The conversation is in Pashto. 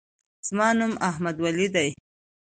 زما نوم احمدولي دی.